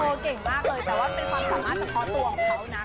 เก่งมากเลยแต่ว่าเป็นความสามารถเฉพาะตัวของเขานะ